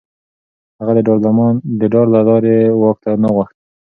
هغه د ډار له لارې واک نه غوښت.